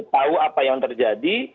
tahu apa yang terjadi